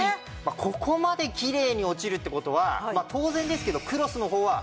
ここまできれいに落ちるって事は当然ですけどクロスの方は真っ黒になっちゃいますよね。